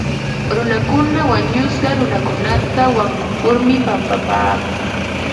Runakuna wañushqa runakunata wankurkurmi pampapaakun.